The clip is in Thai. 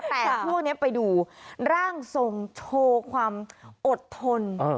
แต่ช่วงนี้ไปดูร่างทรงโชว์ความอดทน